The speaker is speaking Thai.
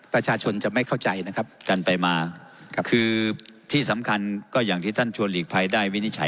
ประชาชนจะไม่เข้าใจนะครับ